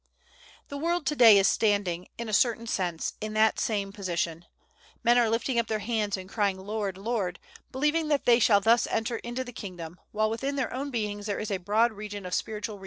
The world to day is standing, in a certain sense, in that same position. Men are lifting up their hands, and crying, "Lord, Lord!" believing that they shall thus enter into the kingdom, while within their own beings there is a broad region of spiritual mysteries unknown and unexplored.